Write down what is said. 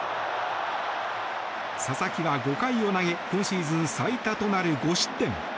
佐々木は５回を投げ今シーズン最多となる５失点。